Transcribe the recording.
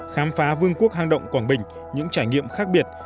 khám phá vương quốc hang động quảng bình những trải nghiệm khác biệt